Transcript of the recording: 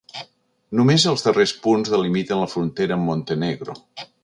Només els darrers punts delimiten la frontera amb Montenegro.